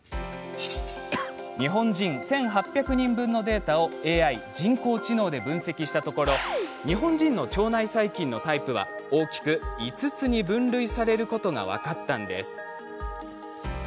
日本人１８００人分のデータをＡＩ・人口知能で分析したところ日本人の腸内細菌のタイプは大きく５つに分類されることが分かったんです。